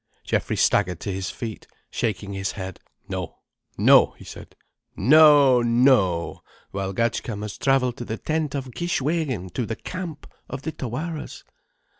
Geoffrey staggered to his feet, shaking his head. "No—no—" he said. "No—no! Walgatchka must travel to the tent of Kishwégin, to the Camp of the Tawaras."